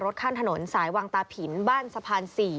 ข้างถนนสายวังตาผินบ้านสะพาน๔